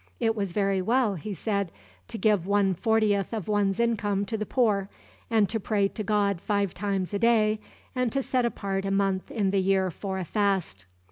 It was very well, he said, to give one fortieth of one's income to the poor, and to pray to God five times a day, and to set apart a month in the year for a fast.